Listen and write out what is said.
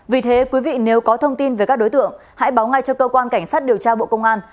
vì thế quý vị nếu có thông tin về các đối tượng hãy báo ngay cho cơ quan cảnh sát điều tra bộ công an